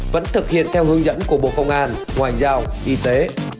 vẫn thực hiện theo hướng dẫn của bộ công an ngoại giao y tế